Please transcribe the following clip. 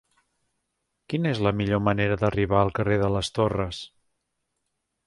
Quina és la millor manera d'arribar al carrer de les Torres?